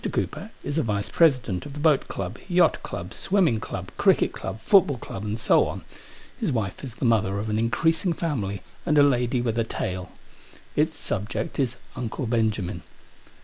Cooper is a vice president of the boat club, yacht club, swimming club, cricket club, football club, and so on ; his wife is the mother of an increasing family, and a lady with a tale. Its subject is Uncle Benjamin.